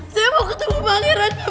saya mau ketemu pangeran pak